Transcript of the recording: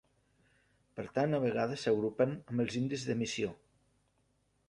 Per tant a vegades s'agrupen amb els indis de missió.